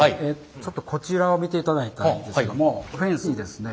ちょっとこちらを見ていただいたらいいんですけどもフェンスにですね